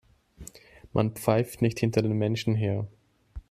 Man pfeift nicht hinter Menschen her.